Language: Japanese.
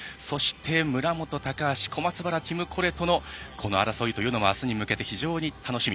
村元、高橋小松原、ティム・コレトのこの争いというのはあすに向けて非常に楽しみ。